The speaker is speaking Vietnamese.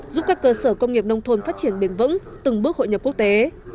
giúp các cơ sở công nghiệp nông thôn phát triển bền vững từng bước hội nhập quốc tế